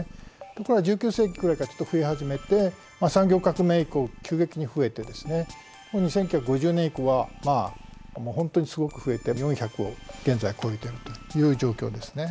これが１９世紀くらいからちょっと増え始めて産業革命以降急激に増えてですね１９５０年以降は本当にすごく増えて４００を現在超えているという状況ですね。